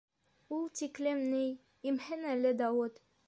У тиклем ни... имһен әле Дауыт!